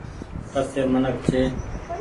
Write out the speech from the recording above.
ڪسي منک ڇي ۔